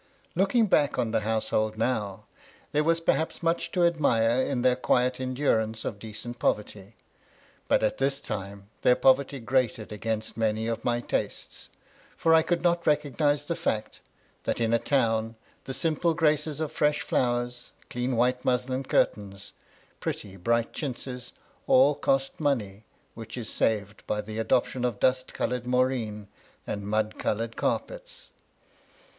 Looking back on the household now, there was perhaps much to admire in their quiet endurance of decent poverty ; but at this time, their poverty grated against many of my tastes, for I could not recognize the fact, that in a town the simple graces of firesh flowers, clean white muslin curtains, pretty bright chintzes, all cost money, which is saved by the adoption of dust coloured moreen, and mud coloured carpets.